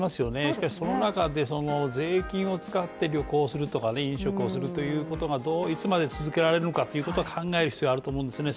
しかしその中で税金を使って旅行するとか、飲食をするということがどうもいつまで続けられるかということは考える必要あると思うんですね